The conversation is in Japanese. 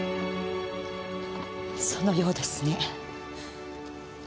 そのようですね。